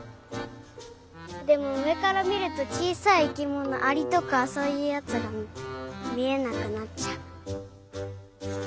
でもうえからみるとちいさい生きものアリとかそういうやつがみえなくなっちゃう。